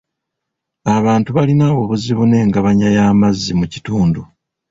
Abantu balina obuzibu n'engabanya y'amazzi mu kitundu .